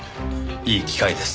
いい機会です。